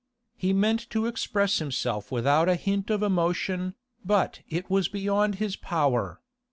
He meant to express himself without a hint of emotion, but it was beyond his power.